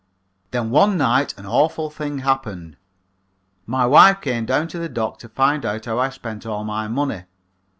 "Then one night an awful thing happened. My wife came down to the dock to find out how I spent all my money.